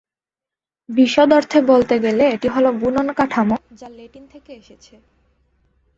বিশদ অর্থে বলতে গেলে এটি হল বুনন কাঠামো যা ল্যাটিন থেকে এসেছে।